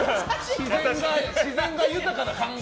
自然が豊かな監獄。